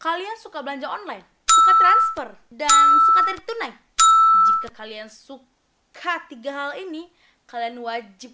kalian suka belanja online suka transfer dan suka tarik tunai jika kalian suka tiga hal ini kalian wajib